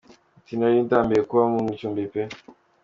Ati “Nari ndambiwe kuba mu icumbi pe.